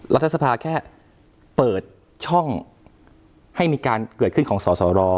รัฐสภาแค่เปิดช่องให้มีการเกิดขึ้นของสสร